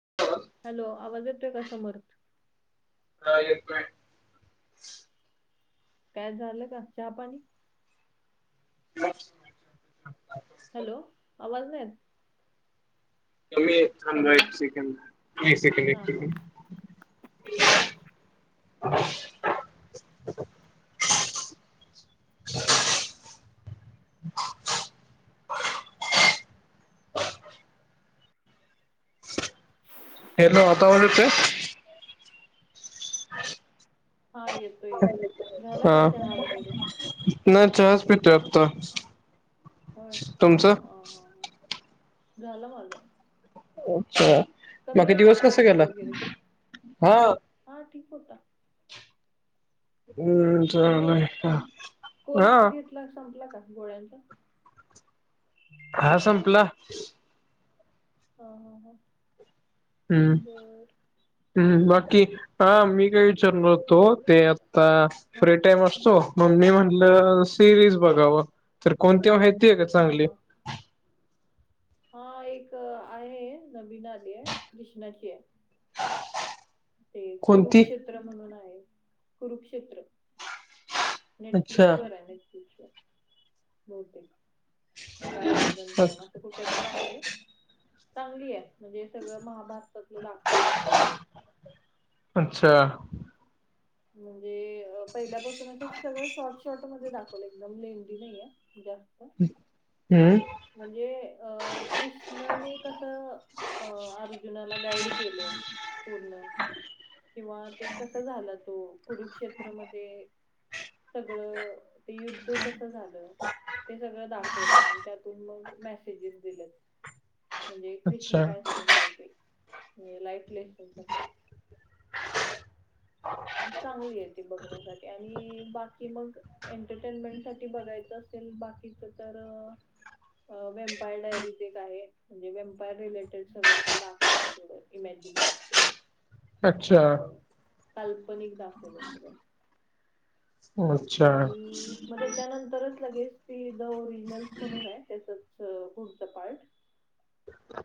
[inaudible] Hello आवाज येतोय का समर्थ? हां येतोय. कायं झालं कां चहा पाणी [unintelligible] हॅलो आवांज नांय येतं कमी एक थांड हॅलो एक सेकंड एक सेकंड एक हा हा सेकंड हम्मं हॅलो आंता आवांज येतोय हां येतोय येतोय झालां कां चहा वगैरें नाहीं चहाज पीतोय आंत्ता होय तुमचां झालं माझं अच्छा बाकी आहे का दिवसं असां गेलां हां हां ठीकं होतां. हम्मं कमी चाले आहे हं हां कोर्स घेतला संपला कां गोळ्यांचा हां संपला. हं हां हं हम्मं हम्मं बाकी हां मी कायं विचांरणांर होतो ते आतां हा फ्री टाईम असतो मगं मी म्हटलं सिरीज बघावं तरं कोणंती आहे चांगली माहितीय आहे कां हा चांगली हां एक आहे नवीन आंली आहे कृष्णाची आहे. ते कोणती? कुंरुक्षेत्र म्हणूंन आहे कुंरुक्षेत्र. अच्छा नेटफ्लिक्स वरं आहे बहुंतेक. कायं अमेझॉन प्रेम असं कुंठे तरं आहे चांगली आहे म्हणजे सगळं महांभारत तसलं दाखवलं ते. अच्छा. म्हणजे पहिल्यांपासूनचं सगळं शॉर्ट शॉर्ट दाखवलं एकदंम लेंडी नाहीं जास्तं हम्मं म्हणजे अं कृष्णांने कसं अं अर्जुनांला गाईड केले पूर्ण. किंवा ते कसं झालं तो कुंरुक्षेत्रमध्यें सगळं ते युंद्ध कसं झालं ते सगळं दाखवलंया आणि त्यांत मगं मेसेजेस दिलेत म्हणजे कृष्णं अच्छा कायं सांगतोय ते. लाईफलेसन तसांच. चांगली आहे ते बघण्यांसाठी आणि बाकी मंग एंटरटेनमेंट सांठी बघायचं असेल बाकीचं तरं वेम्पायर डायरीज एक आहे म्हणजे वेम्पायर रिलेटेड सगळं असं दाखवले थोडं. इमॅजिनेट अच्छा. कांल्पनिक दाखवलंय सगळं. अच्छा आणि मगं त्यांच्यानंतर चं लगेच ते द ओरिजनल्स म्हणूंन आहे त्यांच चं पुढचं पार्ट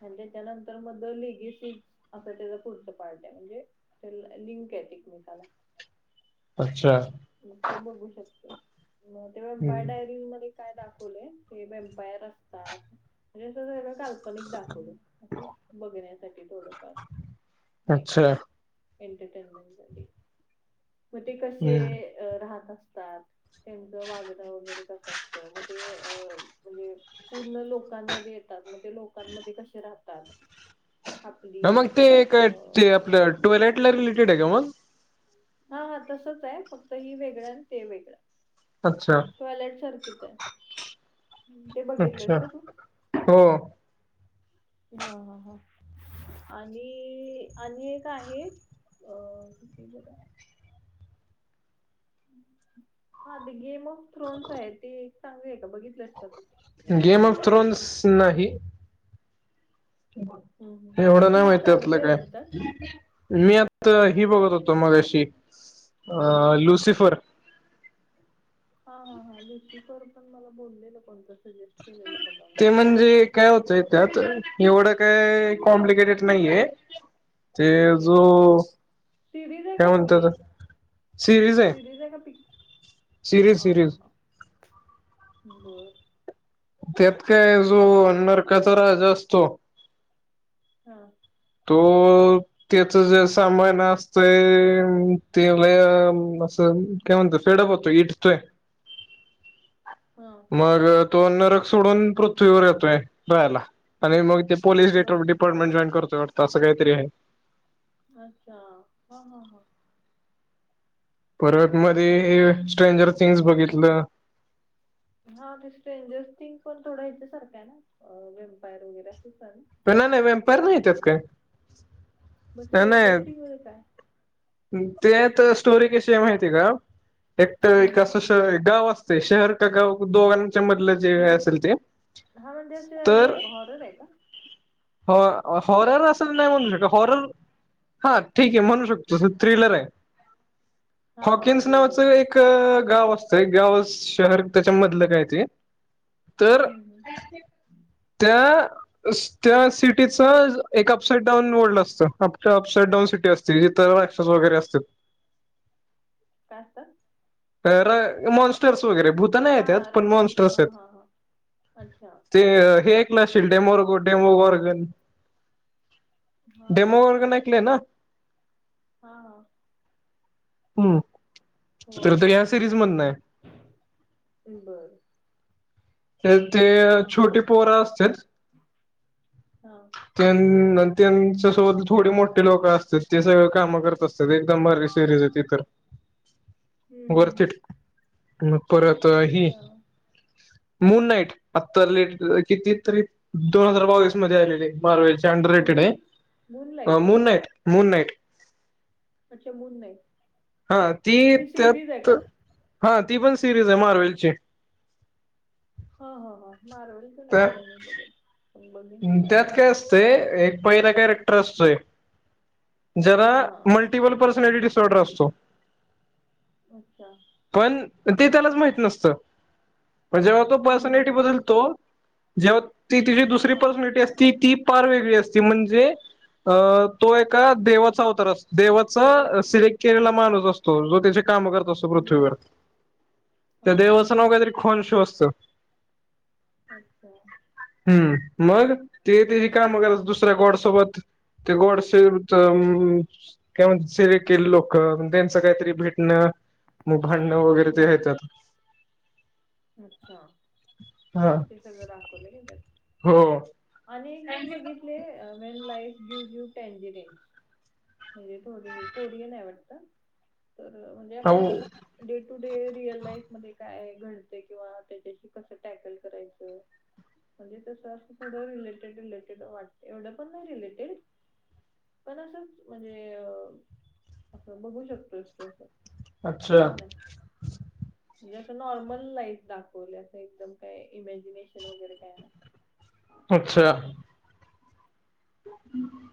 आणि त्यांच्यानंतर मगं लिगे सीड असं त्यांचं पुढचं पार्ट म्हणजे लिंक आहेंतं एकमेकांला. अच्छा. मग ते बघू शकतय मग तेव्हा बाय हम्म डायरीज मध्ये काय दाखवलंय की बेम्पायर असतात मजे असं वेगळं काल्पनिक कमीच दाखवलंय अस बघण्यासाठी थोडंफार नाही का? अच्छा एंटरटेनमेंट [unintelligible] मग ते कसे हम्म राहत असतात. त्यांचं वागणं वगैरे कसं असतं मग ते अ मजे पूर्ण लोकांमध्ये येतात मग ते लोकांमध्ये कशे राहतात. आपली मग ते अ का ते आपलं टोयलेट ला रिलेटेड आहे का मग? हा हा तसंच आहे फक्त ही वेगळं आणि ते वेगळं. अच्छा टॉयलेट सारखीच आहे, ते बघितलंस अच्छा का तू? हो. हा हा हो. आणि आणि हे एक आहे अ कुठली बर हा ते गेम ऑफ थ्रोन्स आहे ते चांगले आहे का बघितलंस का तू? गेम ऑफ थ्रोन्स नाही. हम्म, हम्म, हम्म. एवढं ती नाही एक माहित चांगली त्यातलं आहे काय. म्हणतात मी आ त ही बघत होतो मगाशी अ कोणती लुसिफर. हा हा हा लुसिफर पण मला बोललेलं कोणतं सजेस्ट केलेलं मला. ते म्हणजे काय होतय त्यात एवढं काय कॉम्प्लिकेटेड नाहीये. ते नाहीये जो का हा सिरीज आहे काय का मूवी आहे म्हणतातात वो, सिरीज हाय. सिरीज हाय का पिक्चर. Series series. बरं. त्यात काय जो नरकाचा राजाअसतो. हा. तो अं... त्याच जे सामान असंतय ते लय असं.... आणि काय म्हणतात पेड [unintelligible] हा मग तो नरक सोडून पृथ्वीवर येतोय राहायला आणि मग ते पोलीस, बर अपार्टमेट जॉईन करतो वाटत असं काहीतरी आहे. अच्छा! हा हा हा परत हम्म. मध्ये स्ट्रेंजर थिंग्स बघितलं. हा ते स्ट्रेंजर्स थिंग्स पण थोडा यांच्यासारखा आहे ना वेम्पायर वगैरे असं ना. पण नाही नाही वैम्पायर नाही त्यात म्हणजे काय. मग स्ट्रेंजर नाही थिंग्स मध्ये काय? त्यात स्टोरी कशी माहिती का? एकटा कस- हम्म. गाव असतर शहर का गाव दोघांच्या मधलं जे असेल ते, हा म्हणजे असं हे हॉरर आहे का? हॉर हाँरर असं नाही म्हणु शकत हॉरर हा ठीक आहे म्हणू शकतो. तस थ्रिलर आहे, हा हॉकिन्स थ्रिलर आहे. नावाचं एक एक गाव असतं एक गाव शहर त्याच्यामधलं काय ते, हम्म, तर हम्म, हम्म. त्या त्या सिटीचा एक अपसाइड डाउन वर्ल्ड असत अप अपसाइड डाऊन सिटी असते. ते एक्सेस वगैरे असतं. काय असतं? तर, मॉन्स्टर्स वगैरे भूत हा नाहीत त्यात पण राक्षस मॉन्स्टर्स हा आहेत. हा हा अच्छा ते हे ऐकलं असशील डेमोरग डेमो गोरगन. हा ऐकलं डेमोगोर्गन ऐकलंय ना. हा हा हम् तो तर ह्याया सिरीज मधन हाय. बरं. त्यात ते छोटी पोर असत्यात हा. त्यां त्यांच्या सोबत थोडे मोठे लोक असतात ते सगळे कामं करत असत एकदम भारी सिरीज आहे ती तर. हम्म हम्म वरती हम्म. मग परत ही अच्छा मून नाईट आत्ता लेट किती तरी, दोन हजार बावीस मध्ये आलेली. मारवलं ची अंडररेटेड कोणती moonlight Moon Knight, Moon Knight. अच्छा मून नाईट. हा ती त्यात हा ती पण सिरीज आहे मार्वेलची. हा हा हा मार्वेलची नाय त्या येवड मी बघत मी पण बघेल त्यात काय असतय एक पहिला कॅरेक्टर असतोय, ज्याला हा म ल्टिपल पेर्सोनालिटी डिसॉर्डर असतो. अच्छा. पण ते त्यालाच माहित नसतं. पण जेव्हा तो हम्म हम्म पर्सनॅलटी हम्म. बदलतो जेव्हा ती तिची दुसरी हा अस ती ती फार वेगळी असते म्हणजे अ तो एका देवाचा अवतार असतो देवाचा सिलेक्ट केलेला माणूस असतो. जो तिचे काम करत असतो बर पृथ्वीवर हा त्या हा देवाचं हा नाव काहीतरी खाँन्स असत. अच्छा. हम्म मग ते तेची बर काम करत दुसऱ्या गॉडसोबत ते गाँडसेे तर म्हणे सेरक लोकं त्यांचं काहीतरी भिडणं मग भांडण वैगैरे ते हम्म आहे त्यात. अच्छा. हा. हे सगळं दावलं काय त्यात हो आणि मी एक बघितली play main life give you टेंजिरि म्हणजे थोडी कोरियन आहे वाटत तर म्हणजे हो आपलं day to day real life मध्ये काय घडते किंवा त्याच्याशी कसं टॅकल करायचं. म्हणजे तसं असं पुढं रिलेटेड रिलेटेड वाट एवढं पण नाही रिलेटेड. पण असंच म्हणजे अ असं बघू शकतोय तू अस. अच्छा छान आहे. म्हणजे असं नॉर्मल लाईफ दाखवले एकदम काय इमॅजिनेशन वगैरे काय नाही. अच्छा. हम्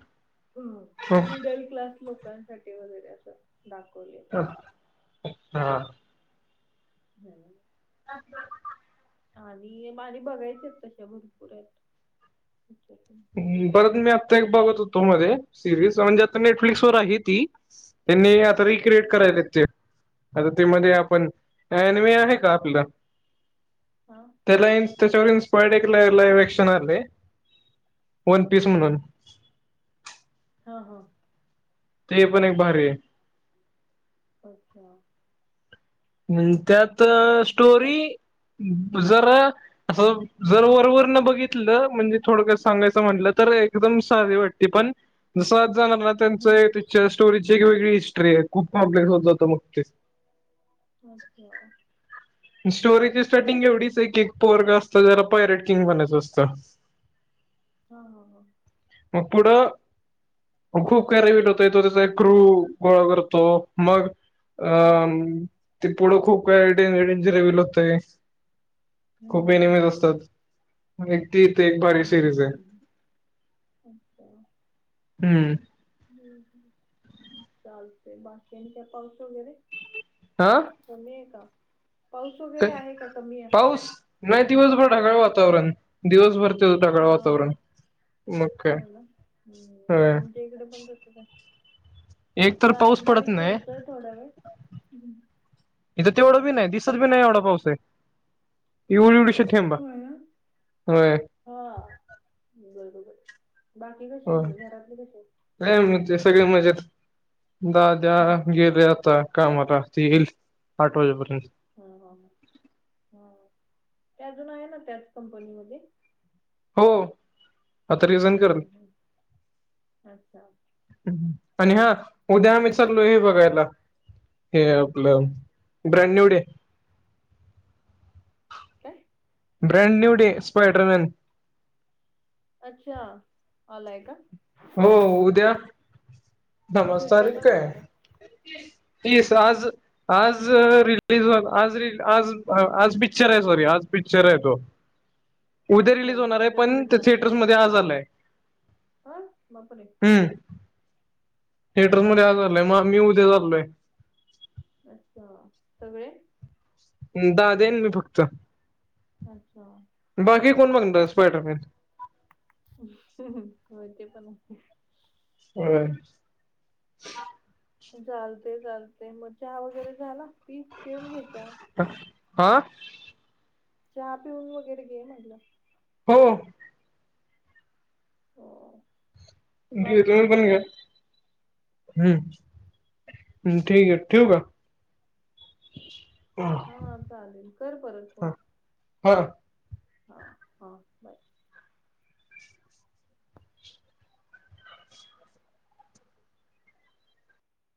हम् मिडल क्लास लोकांसाठी वगैरे असं दाखवले त्यात. हा हम् [inaudible] आणि माझी बघायचेत तशा भरपूर आहेत. परत मी आत्ता एक बघत होतो मध्ये सिरीज, म्हणजे आता हा नेटफ्लिक्सवर आहे ती. त्यांनी आता रिक्रिएट कोणती करायलेत ते आता, ते मध्ये आपण एनिमे आहे का आपलं? हा. त्याला एक त्याच्यावर इन्स्पायर्ड के इवक्शन आले. वन हा पीस म्हणून. हा हा. ते पण एक भारीय. अच्छा. त्यात हम्म स्टोरी जर असं जर वर वर न बघितलं म्हणजे थोडक्यात सांगायचं, म्हटलं तर एकदम साधी वाटते पण जसं आज जाणार ना त्यांचं हम्म. पिक्चर, स्टोरीची एक वेगळी हिस्ट्री आहे खूप कॉम्प्लेक्स होत जातं मग ते. अच्छा. स्टोरीची बघायला पाहिजे स्टार्टिंग एवढीच आहे की एक पोरगं ज्याला पायरेट किंग बनायचं असतं. हा हा हा. मग पुढं खूप काराविट होतंय तो त्याचा एक क्रू गोळा करतो. मग हा अं ते पुढं खूप [unintelligible] होतंय. खूप हम्म एनिमेज असतात, म्हणजे ती एक भारी सिरीज आहे. हम्म अच्छा हम्म. हम्म चालतंय बाकी आणि पाऊस वगैरे? आ? कमी आहे का? पाऊस क वगैरे आहे का कमी आहे पाऊस नाही दिवसभर पाऊस ढागाळ वातावरण. दिवस त्यो ढगाळ हा वातावरण मग काय व्हय. ते इकडं पण तसंच हाय. एक तर पाऊस बारीक पडत बारीक नाही पडतोय थोडावेळ, इथं तेवढं होय. [unintelligible] नाही एवढा पाऊस आहे, एव एवढंशी थेंब, होय ना होय. हा बरोबर, बाकी कसे होय आहे घरातले कसे आहेत? काय नाही मग ते सगळे मजेत दाद्या हा गेले आता. कामाला ते येईल आठ वाजेपर्यंत. हा हा हा, हा त्या अजून आहे ना त्याच कंपनीमध्ये? हो, आता रिझाइन हम्म करलं. हम्म अच्छा. [unintelligible] आणि हा उद्या आम्ही ठीक आहे. चाललो हे हा, बघायला, हे आपलं काय ब्रँड न्यू डे. काय? Brand new day Spiderman. अच्छा आलाय का? हो उद्या, थांब आज तारीख थिएटरला काय? जाणार आहे. तीस आज आज रिलीज आज आज आज पिक्चर आहे सॉरी आज पिक्चर आहे तो. उद्या अच्छा रिलीज होणार आहे, उद्या पण तुम्ही ते थिएटर्समध्ये आज आलाय. आनं बापरे. हम्म. थेटरमध्ये आज हम्म. आलाय, मं मी उद्या चाललोय. अच्छा सगळे? दाद्या अन मी फक्त अच्छा. बाकी कोण बघणार स्पायडरमन? ह हो ते पण आहे. होय, चालतय चालतय मग चहा वगैरे झाला? पी पिऊन घे चहा. ता ''हां '' चहा पिऊन वगैरे घे म्हटलं. हो, हो. [unintelligible] तुम्ही बाकी पण घ्या. हम्म, ठीके ठेऊ का? हा, चालेल कर परत फोन. बरं. ''हां ''हां'' बाय.